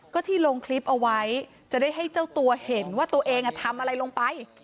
ก็ที่ลงคลิปเอาไว้จะได้ให้เจ้าตัวเห็นว่าตัวเองทำอะไรลงไป